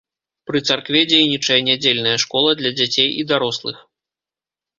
Пры царкве дзейнічае нядзельная школа для дзяцей і дарослых.